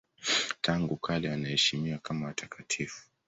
Tangu kale wanaheshimiwa kama watakatifu.